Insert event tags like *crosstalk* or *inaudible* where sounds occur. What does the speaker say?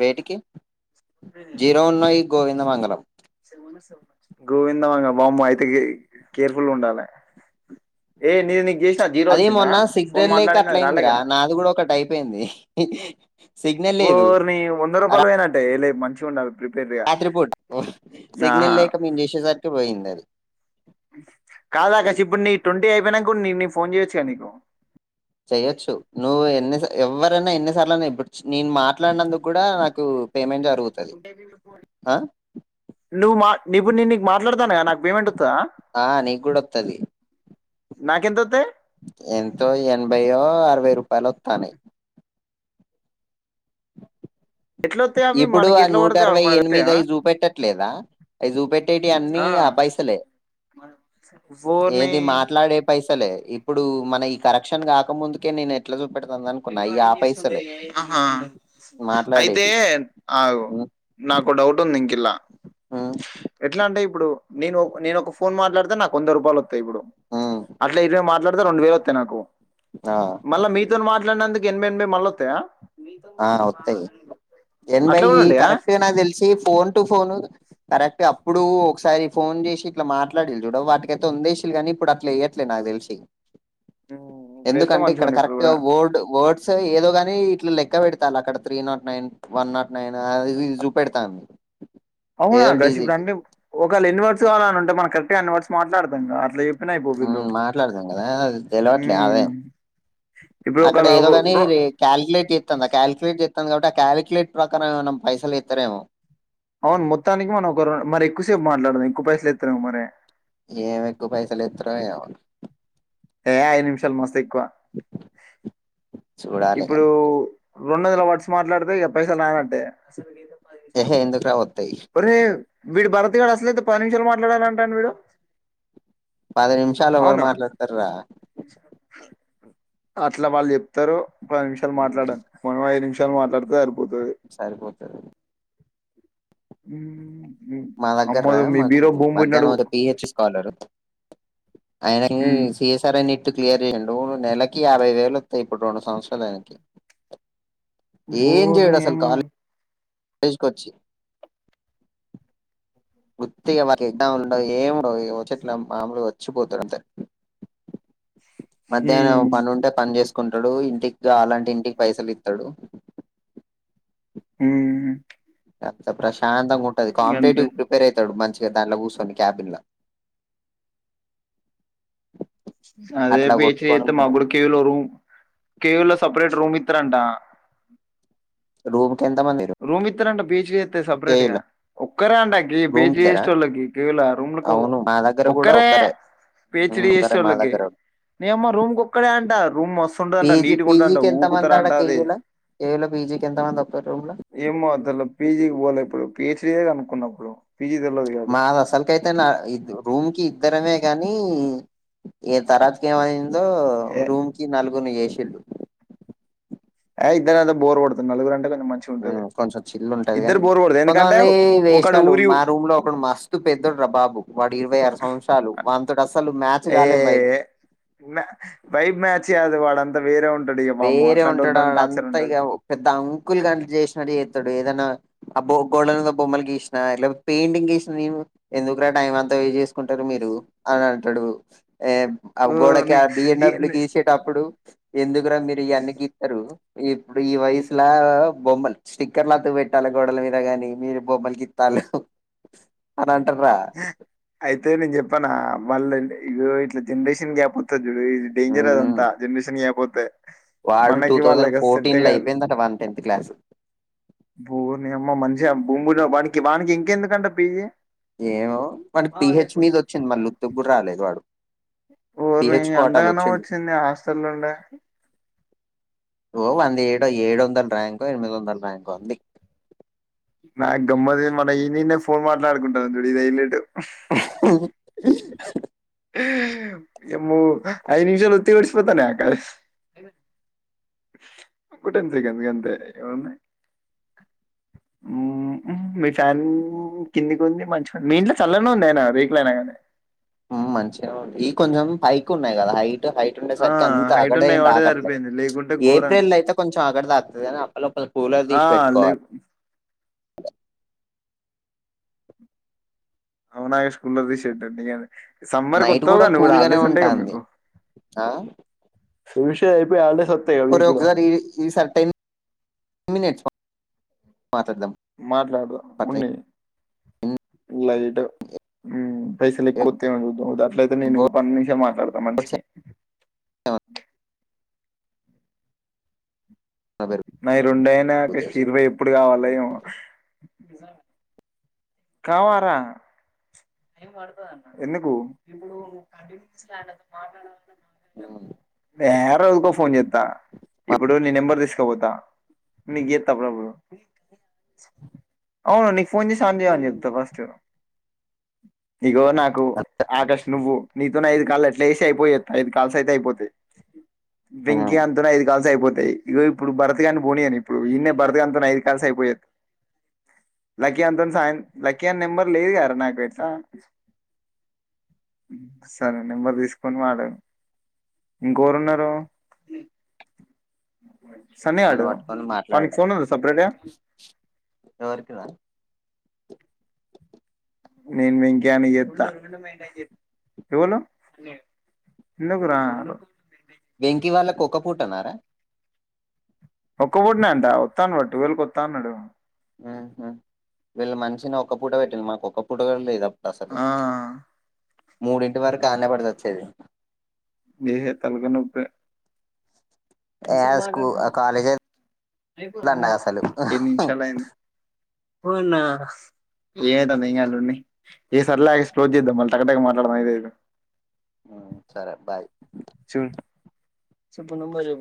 వెయిట్కి zero ఉన్నాయి గోవింద మంగళం గోవిందంగ బామ్మ అయితే కేర్ఫుల్ ఉండాలి ఏ నీ అదే మొన్న సిగ్నల్ లేక అట్ల అయిందిరా రాలేగా నాది కూడా ఒకటి అయిపోయింది సిగ్నల్ లేదు వొరిని వంద రూపాయలు పోయినట్టే మంచిగ ఉండాలి ప్రిపేర్డ్గా రాత్రిపూట ఆహా సిగ్నల్ లేేక మేము చేసేసరికి పోయిందది కాదాకాష్ ఇప్పుడు నీ ట్వంటీ అయిపోయినంక నేన్ నీకు ఫోన్ చేయచ్చు కదా నీకు చెయ్యచ్చు నువ్వు ఎన్నిస ఎవరైనా ఎన్నిసార్లు ఐన ఇపు నేను మాట్లాడినందుకు కూడా నాకు పేమెంట్ జరుగుతది ఆ నిబు నన్గ మాట్లాడదా అ నా ఆ నీ కూడా వస్తది నాకు ఎంతోతాయ్ ఎంతో ఎనభైో అరవై రూపాయలు వస్తానయి ఎట్లా వస్తాయి అవి ఇప్పుడు మనకి ఆ ఎట్లా నూట పడతాయి అవి అరవై మనకు ఎనిమిది వస్తాయా అవి చూపెట్టట్లేదా అవి చూపెట్టేటి అన్నిీ ఆ పైసలే ఓర్ని ఏది మాట్లాడే పైసలే ఇప్పుడు మన ఈ కరక్షన్ కాక ముందుకి నేను ఎట్లా ఆ రికార్డింగ్ పైసలే చేస్తుాయి అయితే మాట్లాడేటి అగు ఉమ్ నాకు ఓ డౌట్ ఉంది ఇంకలా ఉమ్ ఎట్లా అం ఇప్పుడు నేను నేను ఒక ఫోన్ మాట్లాడితే నాకు వంద రూపాయలు ఇప్పుడు ఉమ్ అట్లా ఇదిే మాట్లాడు రెండు వేలు వాస్తాయి నాకు ఆ మళ్ళ మీతో మా ఇ నందకి ఎంమ ఎన్భ మలోతాయ ఆ వస్తాయి అట్లా ఎనిభై కూడా ఉంటాయా? కరెక్ట్గా నా తెలిసి ఫోన్ టు ఫోను కరెక్ట్ అప్పుడు ఒకసారి ఫోన్ చేసి ఇట్లా మాట్లాడ చూడ వాటికైతే వందేసిల్లు కానీ ఇప్పుడు అట్లా వేయట్లేదు నాకు తెలిసి హ్మ్. ఇప్పుడు ఏస్తే ఎందుకంటే ఇక్కడ మంచిగుండు ఇప్పుడు కరెక్ట్ కూడా. వోర్డ్ వర్డ్స్ సరే ఏదో కానీ ఇట్లా ల క్క పెడతాల అక్కడ three not nine one not nine అదిది చూపెడతాంది. అవునా ఏదో గసి డీజీ ఇపుడు అంటే ఒకవేళ ఎన్ని వ *unintelligible* అంటే మనం కరెక్టుగా అన్ని వాట్స్ మాట్లాడతాం గా అట్లే చెప్ హ్మ్ మాట్లాడతాం కదా అ తెలవట్లే హ్మ్. ఆదాయం ఇప్పుడు అక్కడ ఒకవేళ ఏదో కాని రొ కేలిక్యులేట్ చేత్తంది. ఆ కేలిక్యులేట్ చే ఉంటంది కాబట్టి ఆ కేలిక్యులేట్ ప్రకారం ఏమన్నా పైసలు ఇత్తరేమో అవును మొత్తానికి మనం ఒకర మరి ఎక్కువసేపు మాట్లాడదాం ఎక్కువ పైసలు ఎత్తారేమో మరి ఏమి ఎక్కువ పైసలు ఏత్తరో ఏమో ఏ ఐదు నిమిషాలు మస్తు ఎక్కువా చూడాలిగా. ఇప్పుడు రెండు వందల వట్స్ మాట్లాడితే ఇక పైసాలు రానట్టే ఎహే! ఎందుకురా వత్తయి. ప ఏ వీడి భరతిగాడ్ అసలుయితే పది నిమిషాలు మాట్లాడాలంటాడి వీడు పది నిమిషాలు ఎవరు అవునా మాట్లాడతారురా అట్లా వాళ్ళు చెప్తరు పది నిమిషాలు హ్మ్. మాట్లాడాను మనం ఐదు నిమిషాలు మాట్లాడితే సరిపోతది. సరిపోతది. హ్మ్ మా దగ్గర రా మాకు మధ్యాహ్నం ఒక పి హెచ్ స్కాలర్ ఆయనని సిఎస్ఆర్ అని ఇట్టు క్లియర్ చేయండు నెలకి యాభైవేలు వత్తాయి. ఇప్పుడు రెండు సంవత్సరాలు ఆయనకి ఏం జేయడు ఓర్ని అసలు యమ్మ ఖాళీ తీసుకొచ్చి వుత్తిగా ఎవరు ఏమి ఉండదు ముచ్చట్లు మామూలు గా వచ్చిపోతడు అంతే ఉమ్ మధ్యాహ్నం పని ఉంటే పని చేస్ కొంటడో ఎ ఇంటికి గావాలంటే ఇంటికి పైసలు ఇత్తడు హ్మ్ అంత ప్రశాంతంగా ఉంటది. గంతే కాంపిటేటివ్ కి ప్రిపేర్ అయితడు మంచి ఇగ దాంట్లో కూచోని కేబిన్లో అదే పేచీ ఐతే మా బడు కేవ్ లో రూమ్ కేవ్ లో సెపరేట్ రూమ్ ఇ *unintelligible* రో రూమిత్తరంట బీచ్ స్త సపరేట్ గా కేయుల ఒక్కరే అంట రూమ్ పీజీ ఇద్దరా చేసేటోళ్ళకి గ రూమ్ అవును మా దగ్గర కూడా ఒక్కరే ఉమ్, పిహెచ్డి ఒక్కరే మా చేసేటోళ్ళకి దగ్గర నీయమ్మా రూమ్ కి ఒక్కరే అంట రూమ్ మస్తుంటదంట పీజీ నీట్గా ఉంటదంట పీజీకి ఎంత ఊగుతర మంది ఆడ అంట అది కేయూల కేయూల పీజీకి ఎంత మంది ఒక్క రూమ్ లో ఏమతల పిజీ ఇవాల ఇప్పుడు పిహెచ్డీ కనుకున్నప్పుడు మాది అసలుకైతే నా రూమ్ కి ఇద్దరమే గానీ ఏ తారాజ్ కేమ లో ఏ రూమ్ కి నల్గుని ఏసీలు ఆ ఇద్దధద బోర్ పడుతుంది నాలుగు రం కొంచెం చిల్లు ఉంటది కాని కొడుతుంది ఎందుకంటే కొంతమంది ఒకడు వేషకాలు ఊరి మా రూమ్ లో ఒకడు మస్తు పెద్దడు రా బాబు వాడు ఇరవై ఆరు సంవత్సరాలు వాతో అసలు మ ఏయ పైబ్ మ్యాచి అది వాడ ే ఉ వేరే ఉంటాడు వాళ్ళ అంతా ఇక పెద్ద అంకుల్ గా ని చేసి అది చేత్తడు ఏదన్నా అబ్బో గోల్డన్ గా బొమ్మలు గీసిన పెయింటింగ్సిన నే ఎందుకురా టైం అంత వేస్ట్ కుంటారు మీరు అ అత్తడుగు ఏ ఆ ఓ, గోడకి నీ- బిఎన్ డబ్లూ ఈ- గీసేటప్పుడు ఎందు మీరు ఇ అన్ని గీస్తారు ఇప్పుడు ఈ వయసుల బొమ్మలు స్టిక్కర్ తు పెట్టాలి గోడల మీద గాని మీరు బొమ్మల గీత్తాలు అలా అయితే నేను చెప్పనా వాళ్ళ ఇట్ల జనరేషన్ గ్యాప్ వత్తది ఇ ఇ డేంజర్ ఉమ్ అదంత జనరేషన్కపో అద వాడు టూ థౌజండ్ ఫోర్టీన్ లో అయిపోయిందట వన్ టెన్త్ క్లాస్ భూని అమ్మ మంచిగా భూమిడి వానికి వానికి ఇంకెందుకంట బియ్యి ఏమో వాకి పిహెచ్ మీద వచ్చింది మళ్ళీ ఉతుగురు రాలేదు వాడు ఊరిని పిహెచ్ కోటాలో ఎంతగానో వచ్చిండు వచ్చింది హాస్టల్ండ ఓ వంద ఏడో ఏడు వందల ర్యాంకు ఎనిమిది వందల ర్యాంకు అంది నా గమ్మతి మన ఈ నిన్నే ఫోన్ మాట్లాడుకుంటారుడు ఇదియల్లేటు ఎ అయ నిమిష లో ఉతి వసి పోతా ఆకా కుట సక కంత ఎన్నా ఫ్యాన్ కింది కొంది మంచి మీ ఇంట్లో చల్లనే ఉంది అయనా రేకుల అయినా కానీ ఊ మంచిగె ఉంది కొంచెం పైక్ ఉన్నాయి కదా హైట్ టే హైట్ ఉండే ఆ సరికి అంత హైట్ ఉన్న అగడేం వాడే తాగట్లే సరిపోయింది లేకుంటే ఘోరం ఏప్రిల్ అయితే కొంచెం అగడ్ తాక్ ఇగ దప్ అళ కొది కూలర్ ఆ తీసి లే పెెట్టుకోవాలి అవున ఈ స్కూల్ల తీసెయ్ దండిగని సమ్మర్ నైట్ కత్తవు కదా నువ్వు కూడా కూల్ గానే హాలిడేస్ ఉంటాయి కద ఉంటాంది మీకు సుషేడ్ ఒరి ఒకసారి ఈ సారి టెన్ మినట్స్ వ మాట్లాడదా ఉన్నయ్ లేైట పట్ల. పైసలు కొతేతు ఉదా అట్లయితే నేను పని నిసే మాట్లాడతా మనిషకి న రెండ అయినా పెరుగుతాయి చూ షీర్వ ఎప్పుడు కావాల ఏమో జా కావారా ఎందుకు ఏ కో ఊకె ఫోన్ చేత ఇప్పుడు నీ నెంబర్ తీసుకపోతా నీకు చేతప్పుడప్పుడు అవును నీకు ఫోన్ చేసి అంజి అని చెప్తా ఫస్ట్ ఇగో నాకు ఆకాష్ నువ్వు నీతోన ఐదు కాలు ఎట్లా ఏసి అయిపోయద్ ఐదు కాల్స్ అయితే అయిపోతాయి దెంక్తి గాన్ తోని ఐదు కాల్స్ అయిపోతాయి ఇగొ ఇప్పుడు భరత్గాని పోనీ అను ఇప్పుడు ఈన్న భరతగాని అంత ఐదు కాల్స్ అయిపోయద్ లకీ గాన్ తోని సాయ లక్కీ గాని నెంబర్ లేదు గదర నాకైతే సరే నెంబర్ తీసుకొని వాడను ఇంకవరు ఉన్నరు ఉ నను వట్టుకొని మాట్లాడిడు ఉందా సపరేట్గా ఎవరికిరా నేను వెంకనికి చెప్తా ఎవలు ఎందుకు రా వెంకీ వాళ్ళ కోక పూటనారా ఒక్కప్పుటినే అంట వత అనుడు టువల్కి వతా అన్నాడు ఊహు వళ్ళ మనిషనవ్ ఒక పూట పెట్టిల్ మాకు ఒక ఫోటోల్ దిగుదాం అసలు ఆ మూడింటి వరకు కాన్న పడతది సదే లేహే తలగనొప్పే ఏ స్కూ కాలేజ్ దండగ అసలు ఏడ్ నిమిషాలయింది ఓన్న ఏమవుతుంది ఇంగ లోండి ఏ సరిలే ఎక్స్ప్లోజ్ చేద్దాం మళ టక టక మాట్లాడదం ఇదైతే ఊ సరే బాయ్ చెప్పు నంబర్ చే